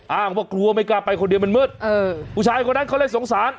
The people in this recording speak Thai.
อ้างว่ากลัวไม่กล้าไปคนเดียวมันมืดผู้ชายคนนั้นเขาเลยสงสาร